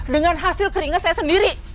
dengan hasil keringat saya sendiri